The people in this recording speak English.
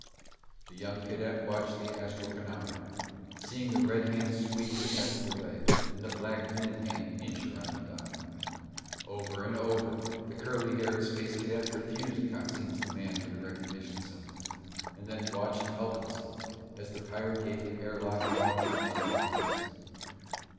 The young cadet watched the astral chronometer, seeing the red hand sweep the seconds away, and the black minute hand inch around the dial. Over and over, the curly haired Space Cadet refused Coxine's demand for the recognition signal and then watched helplessly as the pirate gave the air lock valve another twist.